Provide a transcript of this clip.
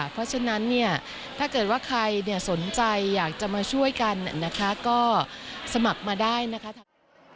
เพราะฉะนั้นเนี่ยถ้าเกิดว่าใครสนใจอยากจะมาช่วยกันนะคะก็สมัครมาได้นะคะ